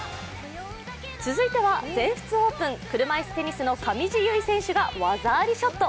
続いては全仏オープン車いすテニスの上地結衣選手が技ありショット。